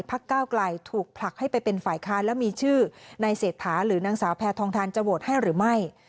ก้าวไกลถูกผลักให้ไปเป็นฝ่ายค้านและมีชื่อในเศรษฐาหรือนางสาวแพทองทานจะโหวตให้หรือไม่